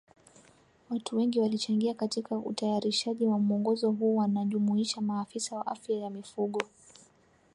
Watu wengi walichangia katika utayarishaji wa mwongozo huu wanajumuisha maafisa wa afya ya mifugo